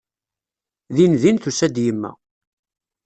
Dindin tusa-d yemma.